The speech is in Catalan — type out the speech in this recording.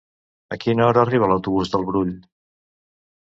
A quina hora arriba l'autobús del Brull?